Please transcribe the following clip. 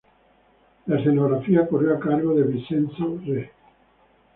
La escenografía corrió a cargo de Vincenzo Re.